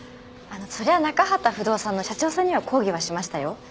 そりゃあ中畠不動産の社長さんには抗議はしましたよ。